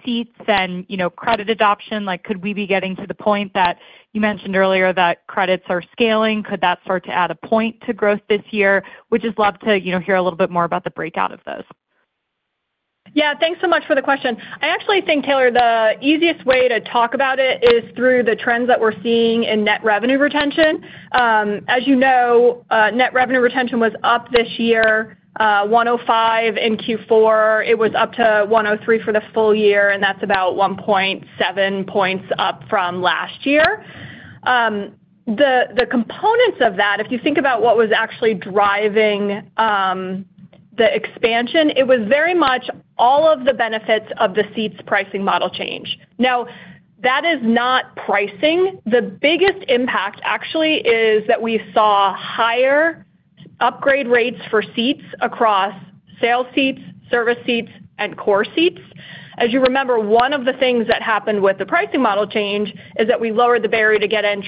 seats and credit adoption? Could we be getting to the point that you mentioned earlier that credits are scaling? Could that start to add a point to growth this year? We'd just love to hear a little bit more about the breakout of those. Yeah. Thanks so much for the question. I actually think, Taylor, the easiest way to talk about it is through the trends that we're seeing in net revenue retention. As you know, net revenue retention was up this year, 105% in Q4. It was up to 103 for the full year, and that's about 1.7 points up from last year. The components of that, if you think about what was actually driving the expansion, it was very much all of the benefits of the seats pricing model change. Now, that is not pricing. The biggest impact, actually, is that we saw higher upgrade rates for seats across sales seats, service seats, and Core Seats. As you remember, one of the things that happened with the pricing model change is that we lowered the barrier to get in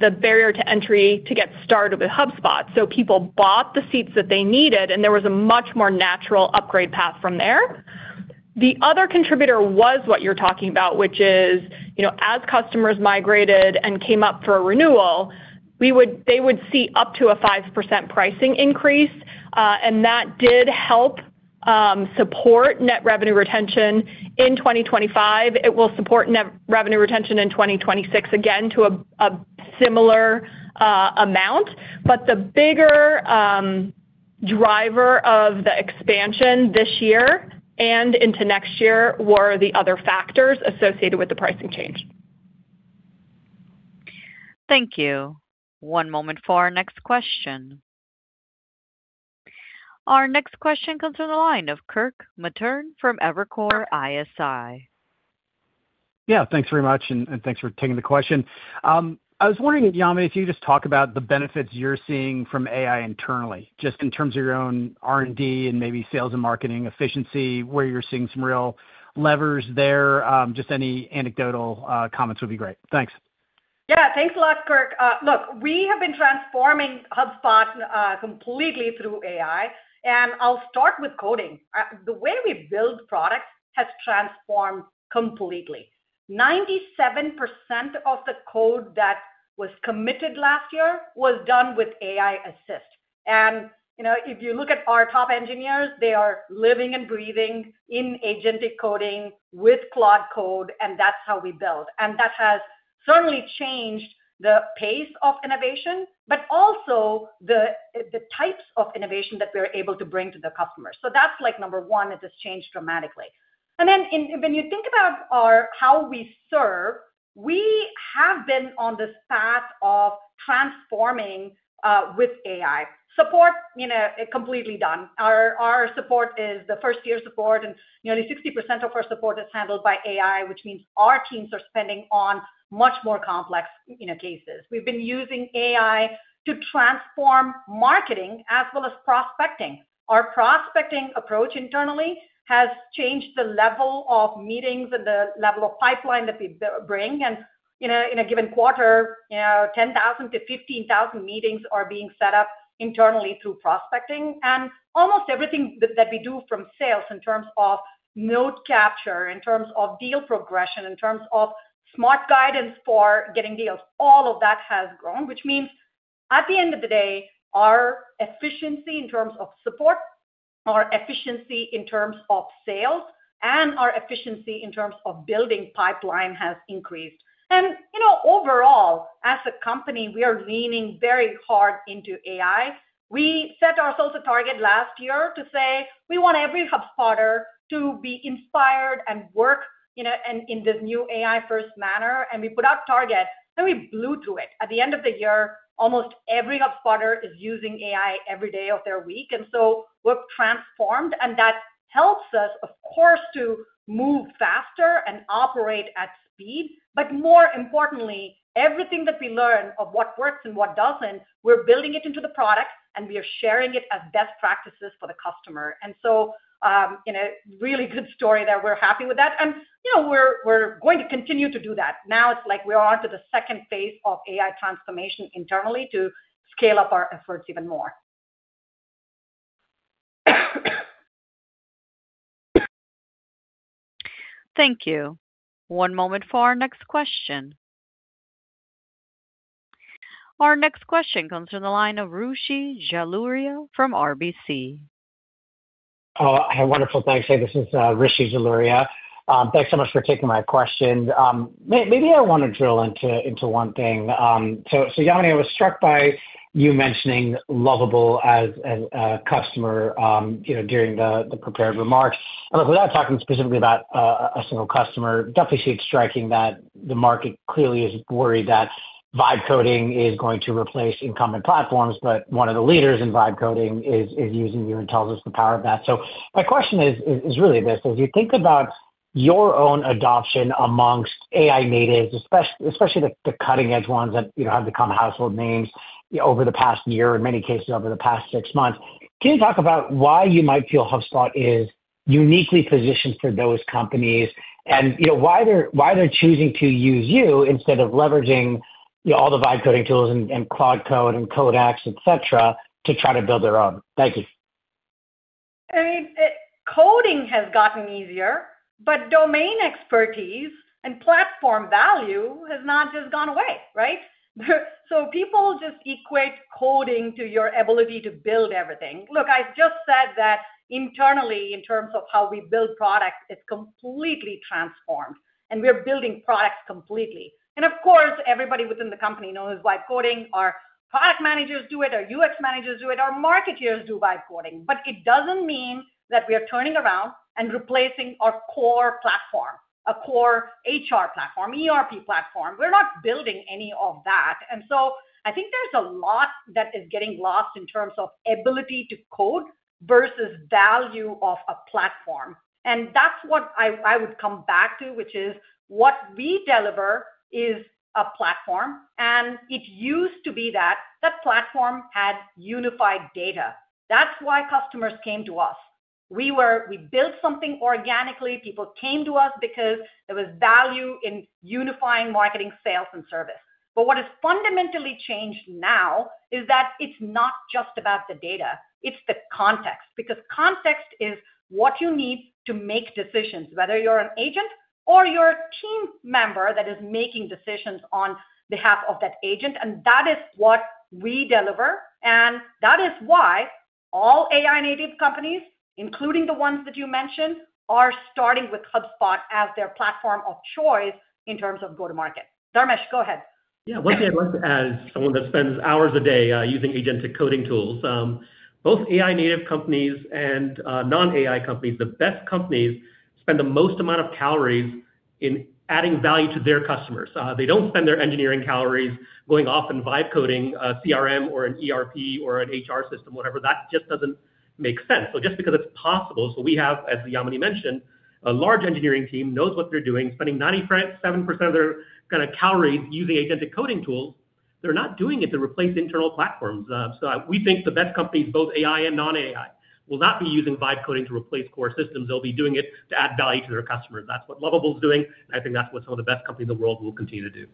the barrier to entry to get started with HubSpot. So people bought the seats that they needed, and there was a much more natural upgrade path from there. The other contributor was what you're talking about, which is as customers migrated and came up for a renewal, they would see up to a 5% pricing increase. That did help support net revenue retention in 2025. It will support net revenue retention in 2026 again to a similar amount. The bigger driver of the expansion this year and into next year were the other factors associated with the pricing change. Thank you. One moment for our next question. Our next question comes from the line of Kirk Materne from Evercore ISI. Yeah. Thanks very much, and thanks for taking the question. I was wondering, Yamini, if you could just talk about the benefits you're seeing from AI internally, just in terms of your own R&D and maybe sales and marketing efficiency, where you're seeing some real levers there. Just any anecdotal comments would be great. Thanks. Yeah. Thanks a lot, Kirk. Look, we have been transforming HubSpot completely through AI. I'll start with coding. The way we build products has transformed completely. 97% of the code that was committed last year was done with AI assist. If you look at our top engineers, they are living and breathing in agentic coding with Claude Code, and that's how we build. That has certainly changed the pace of innovation, but also the types of innovation that we're able to bring to the customers. So that's number one. It has changed dramatically. Then when you think about how we serve, we have been on this path of transforming with AI. Support, completely done. Our support is the first-year support, and nearly 60% of our support is handled by AI, which means our teams are spending on much more complex cases. We've been using AI to transform marketing as well as prospecting. Our prospecting approach internally has changed the level of meetings and the level of pipeline that we bring. In a given quarter, 10,000-15,000 meetings are being set up internally through prospecting. Almost everything that we do from sales in terms of note capture, in terms of deal progression, in terms of smart guidance for getting deals, all of that has grown, which means at the end of the day, our efficiency in terms of support, our efficiency in terms of sales, and our efficiency in terms of building pipeline has increased. Overall, as a company, we are leaning very hard into AI. We set ourselves a target last year to say we want every HubSpotter to be inspired and work in this new AI-first manner. We put out a target, and we blew through it. At the end of the year, almost every HubSpotter is using AI every day of their week. And so we're transformed. And that helps us, of course, to move faster and operate at speed. But more importantly, everything that we learn of what works and what doesn't, we're building it into the product, and we are sharing it as best practices for the customer. And so really good story there. We're happy with that. And we're going to continue to do that. Now it's like we're onto the second phase of AI transformation internally to scale up our efforts even more. Thank you. One moment for our next question. Our next question comes from the line of Rishi Jaluria from RBC. Oh, wonderful. Thanks. Hey, this is Rishi Jaluria. Thanks so much for taking my question. Maybe I want to drill into one thing. Yamini, I was struck by you mentioning Lovable as a customer during the prepared remarks. Without talking specifically about a single customer, I definitely see it striking that the market clearly is worried that vibe coding is going to replace inbound platforms. One of the leaders in vibe coding is using you and tells us the power of that. So my question is really this: as you think about your own adoption amongst AI natives, especially the cutting-edge ones that have become household names over the past year, in many cases, over the past six months, can you talk about why you might feel HubSpot is uniquely positioned for those companies and why they're choosing to use you instead of leveraging all the vibe coding tools and Claude Code and Codex, etc., to try to build their own? Thank you. I mean, coding has gotten easier, but domain expertise and platform value has not just gone away, right? So people just equate coding to your ability to build everything. Look, I just said that internally, in terms of how we build products, it's completely transformed. And we're building products completely. And of course, everybody within the company knows vibe coding. Our product managers do it. Our UX managers do it. Our marketers do vibe coding. But it doesn't mean that we are turning around and replacing our core platform, a core HR platform, ERP platform. We're not building any of that. And so I think there's a lot that is getting lost in terms of ability to code versus value of a platform. And that's what I would come back to, which is what we deliver is a platform. And it used to be that that platform had unified data. That's why customers came to us. We built something organically. People came to us because there was value in unifying marketing, sales, and service. But what has fundamentally changed now is that it's not just about the data. It's the context. Because context is what you need to make decisions, whether you're an agent or you're a team member that is making decisions on behalf of that agent. And that is what we deliver. And that is why all AI-native companies, including the ones that you mentioned, are starting with HubSpot as their platform of choice in terms of go-to-market. Dharmesh, go ahead. Yeah. One thing I'd like to add as someone that spends hours a day using agentic coding tools: both AI-native companies and non-AI companies, the best companies, spend the most amount of calories in adding value to their customers. They don't spend their engineering calories going off and vibe coding a CRM or an ERP or an HR system, whatever. That just doesn't make sense. So just because it's possible—so we have, as Yamini mentioned, a large engineering team knows what they're doing, spending 97% of their kind of calories using agentic coding tools—they're not doing it to replace internal platforms. So we think the best companies, both AI and non-AI, will not be using vibe coding to replace core systems. They'll be doing it to add value to their customers. That's what Lovable is doing. I think that's what some of the best companies in the world will continue to do.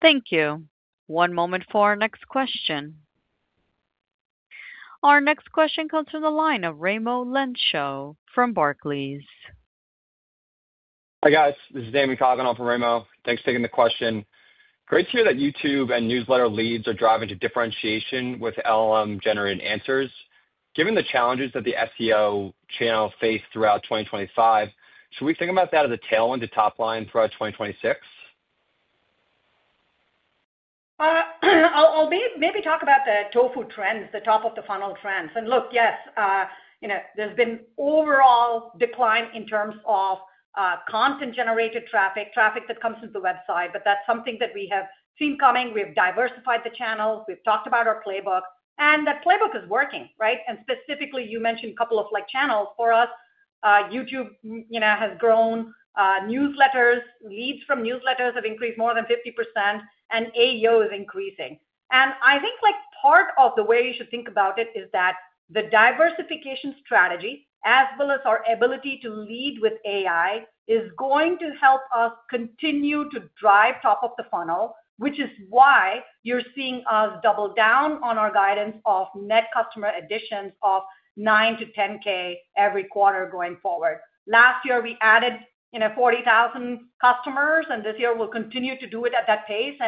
Thank you. One moment for our next question. Our next question comes from the line of Raimo Lenschow from Barclays. Hi guys. This is Damian Cogen and I'm from Raimo. Thanks for taking the question. Great to hear that YouTube and newsletter leads are driving to differentiation with LLM-generated answers. Given the challenges that the SEO channel faced throughout 2025, should we think about that as a tailwind to topline throughout 2026? I'll maybe talk about the TOFU trends, the top-of-the-funnel trends. And look, yes, there's been overall decline in terms of content-generated traffic, traffic that comes into the website. But that's something that we have seen coming. We have diversified the channels. We've talked about our playbook. And that playbook is working, right? And specifically, you mentioned a couple of channels. For us, YouTube has grown. Newsletters, leads from newsletters have increased more than 50%, and AEO is increasing. And I think part of the way you should think about it is that the diversification strategy, as well as our ability to lead with AI, is going to help us continue to drive top-of-the-funnel, which is why you're seeing us double down on our guidance of net customer additions of 9,000-10,000 every quarter going forward. Last year, we added 40,000 customers. This year, we'll continue to do it at that pace.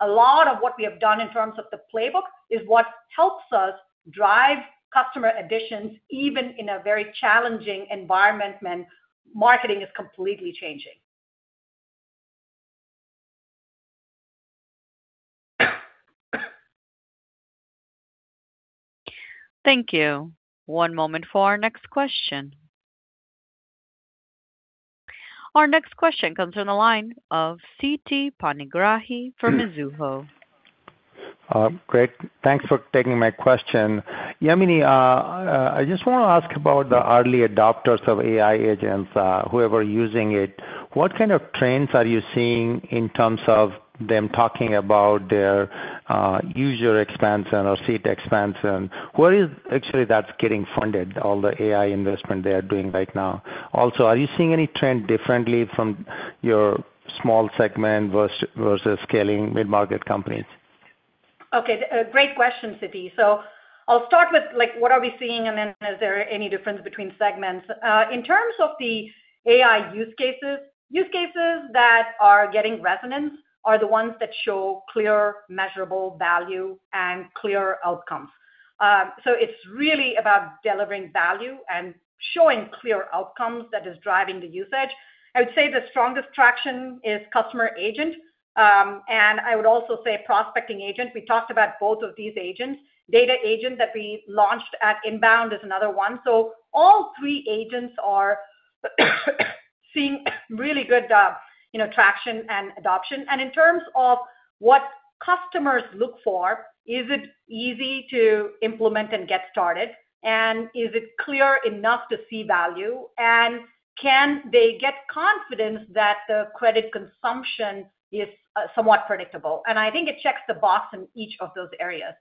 A lot of what we have done in terms of the playbook is what helps us drive customer additions even in a very challenging environment when marketing is completely changing. Thank you. One moment for our next question. Our next question comes from the line of Siti Panigrahi from Mizuho. Great. Thanks for taking my question. Yamini, I just want to ask about the early adopters of AI agents, whoever is using it. What kind of trends are you seeing in terms of them talking about their user expansion or seat expansion? Where is actually that getting funded, all the AI investment they are doing right now? Also, are you seeing any trend differently from your small segment versus scaling mid-market companies? Okay. Great question, Siti. So I'll start with what are we seeing, and then is there any difference between segments? In terms of the AI use cases, use cases that are getting resonance are the ones that show clear, measurable value and clear outcomes. So it's really about delivering value and showing clear outcomes that are driving the usage. I would say the strongest traction is Customer Agent. And I would also say Prospecting Agent. We talked about both of these agents. Data Agent that we launched at Inbound is another one. So all three agents are seeing really good traction and adoption. And in terms of what customers look for, is it easy to implement and get started? And is it clear enough to see value? And can they get confidence that the credit consumption is somewhat predictable? I think it checks the box in each of those areas.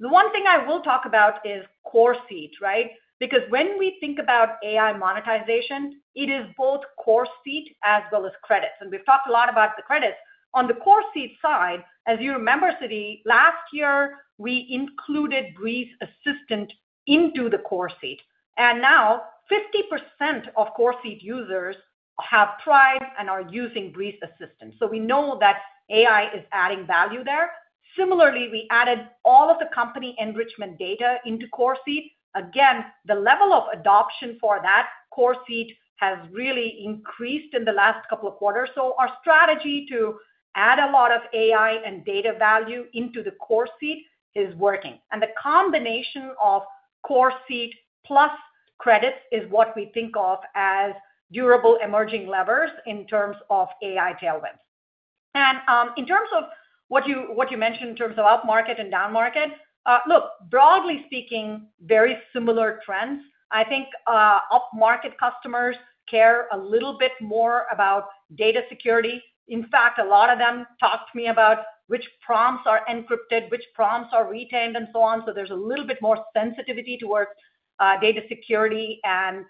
The one thing I will talk about is Core seat, right? Because when we think about AI monetization, it is both Core seat as well as credits. And we've talked a lot about the credits. On the Core seat side, as you remember, Siti, last year, we included Breeze Assistant into the Core seat. And now, 50% of Core seat users have tried and are using Breeze Assistant. So we know that AI is adding value there. Similarly, we added all of the company enrichment data into Core seat. Again, the level of adoption for that Core seat has really increased in the last couple of quarters. So our strategy to add a lot of AI and data value into the Core seat is working. The combination of Core seat plus credits is what we think of as durable emerging levers in terms of AI tailwinds. In terms of what you mentioned in terms of upmarket and downmarket, look, broadly speaking, very similar trends. I think upmarket customers care a little bit more about data security. In fact, a lot of them talked to me about which prompts are encrypted, which prompts are retained, and so on. So there's a little bit more sensitivity towards data security and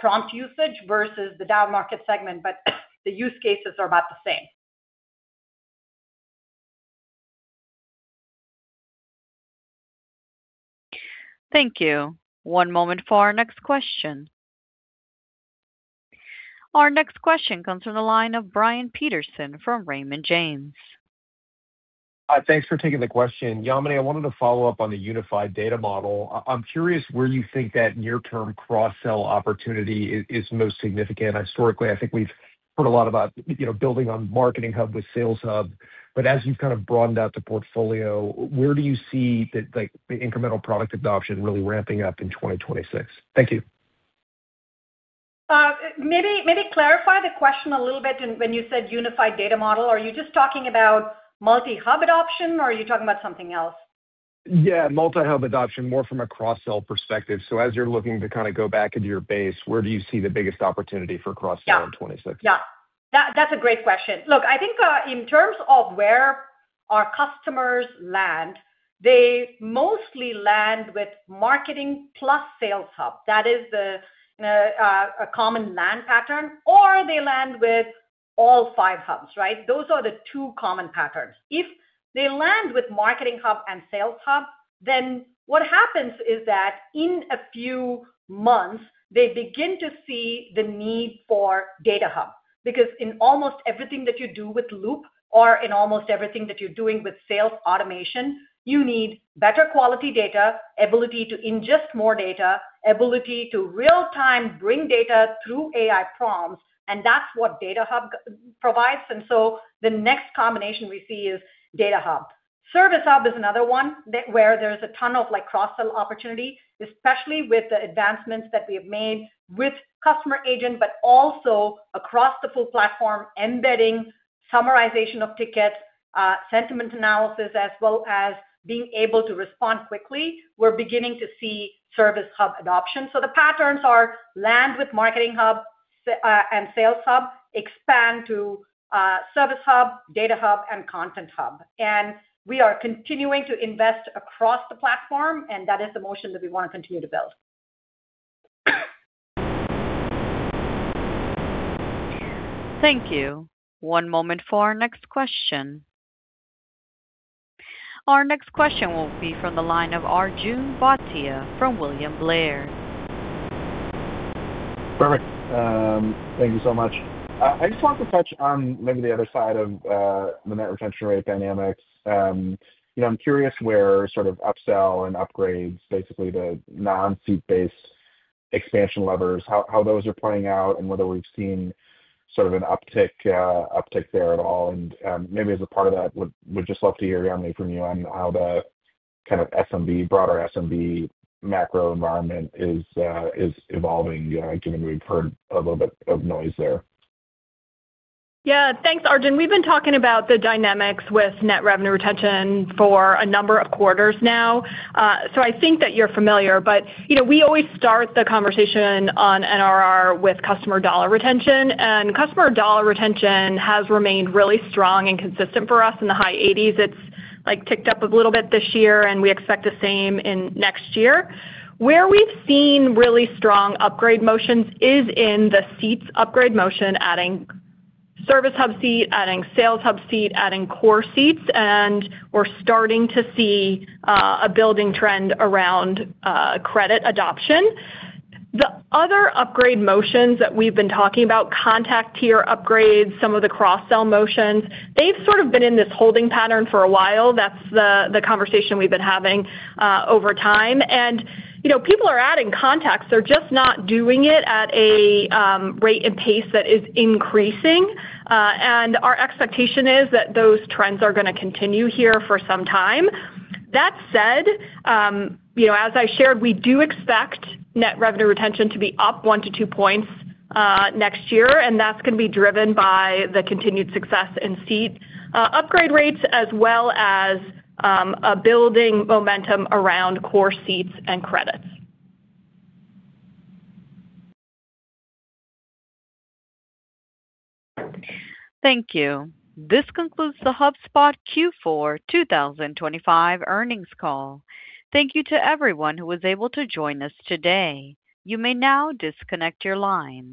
prompt usage versus the downmarket segment. But the use cases are about the same. Thank you. One moment for our next question. Our next question comes from the line of Brian Peterson from Raymond James. Thanks for taking the question. Yamini, I wanted to follow up on the unified data model. I'm curious where you think that near-term cross-sell opportunity is most significant. Historically, I think we've heard a lot about building on Marketing Hub with Sales Hub. But as you've kind of broadened out the portfolio, where do you see the incremental product adoption really ramping up in 2026? Thank you. Maybe clarify the question a little bit. When you said unified data model, are you just talking about multi-hub adoption, or are you talking about something else? Yeah, multi-hub adoption, more from a cross-sell perspective. So as you're looking to kind of go back into your base, where do you see the biggest opportunity for cross-sell in 2026? Yeah. Yeah. That's a great question. Look, I think in terms of where our customers land, they mostly land with Marketing Hub plus Sales Hub. That is a common land pattern. Or they land with all five hubs, right? Those are the two common patterns. If they land with Marketing Hub and Sales Hub, then what happens is that in a few months, they begin to see the need for Data Hub. Because in almost everything that you do with Loop or in almost everything that you're doing with sales automation, you need better quality data, ability to ingest more data, ability to real-time bring data through AI prompts. And that's what Data Hub provides. And so the next combination we see is Data Hub. Service Hub is another one where there's a ton of cross-sell opportunity, especially with the advancements that we have made with Customer Agent, but also across the full platform, embedding, summarization of tickets, sentiment analysis, as well as being able to respond quickly. We're beginning to see Service Hub adoption. The patterns are land with Marketing Hub and Sales Hub, expand to Service Hub, Data Hub, and Content Hub. We are continuing to invest across the platform. That is the motion that we want to continue to build. Thank you. One moment for our next question. Our next question will be from the line of Arjun Bhatia from William Blair. Perfect. Thank you so much. I just wanted to touch on maybe the other side of the net retention rate dynamics. I'm curious where sort of upsell and upgrades, basically the non-seat-based expansion levers, how those are playing out and whether we've seen sort of an uptick there at all. And maybe as a part of that, we'd just love to hear, Yamini, from you on how the kind of broader SMB macro environment is evolving, given we've heard a little bit of noise there. Yeah. Thanks, Arjun. We've been talking about the dynamics with net revenue retention for a number of quarters now. So I think that you're familiar. But we always start the conversation on NRR with customer dollar retention. And customer dollar retention has remained really strong and consistent for us in the high 80s. It's ticked up a little bit this year. And we expect the same in next year. Where we've seen really strong upgrade motions is in the seats upgrade motion, adding Service Hub seat, adding Sales Hub seat, adding Core Seats. And we're starting to see a building trend around credit adoption. The other upgrade motions that we've been talking about, contact tier upgrades, some of the cross-sell motions, they've sort of been in this holding pattern for a while. That's the conversation we've been having over time. And people are adding contacts. They're just not doing it at a rate and pace that is increasing. And our expectation is that those trends are going to continue here for some time. That said, as I shared, we do expect net revenue retention to be up one-two points next year. And that's going to be driven by the continued success in seat upgrade rates, as well as a building momentum around Core Seats and credits. Thank you. This concludes the HubSpot Q4 2025 earnings call. Thank you to everyone who was able to join us today. You may now disconnect your line.